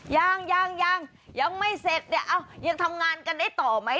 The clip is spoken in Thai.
ยังยังไม่เสร็จยังทำงานกันได้ต่อไหม